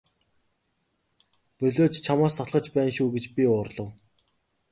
Болиоч чамаас залхаж байна шүү гэж би уурлав.